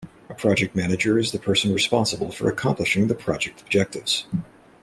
A project manager is the person responsible for accomplishing the project objectives.